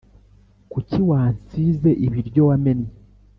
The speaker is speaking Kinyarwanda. Kuki wansize ibiryo wamennye